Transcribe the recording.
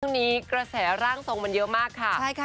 วันนี้กระแสร่างทรงมันเยอะมาก